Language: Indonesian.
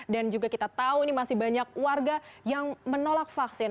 dan juga kita tahu ini masih banyak warga yang menolak vaksin